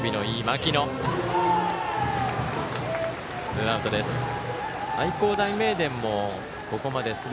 ツーアウトです。